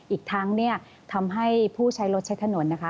อีกทั้งทำให้ผู้ใช้รถใช้ถนน